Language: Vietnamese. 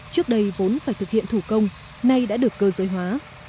trước đây vốn phải thực hiện thủ công nay đã được cơ giới hóa